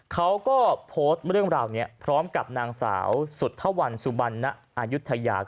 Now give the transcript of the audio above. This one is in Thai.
เขาก็โพสต์เรื่องราวนี้พร้อมกับนางสาวสุธวันสุบันณอายุทยา